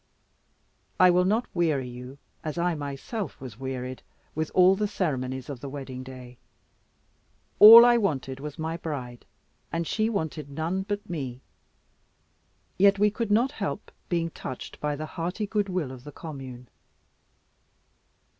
I will not weary you, as I myself was wearied, with all the ceremonies of the wedding day. All I wanted was my bride, and she wanted none but me: yet we could not help being touched by the hearty good will of the commune.